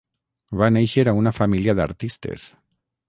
Va néixer a una família d'artistes.